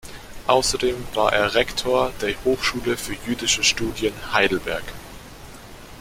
Außerdem war er Rektor der Hochschule für Jüdische Studien Heidelberg.